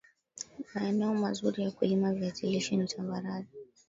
maaeneo mazuri ya kulima viazi lishe ni tambarare